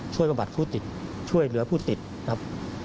ประบัดผู้ติดช่วยเหลือผู้ติดครับ